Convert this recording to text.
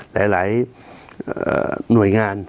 หลายหน่วยงาน